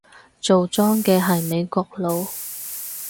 做莊嘅係美國佬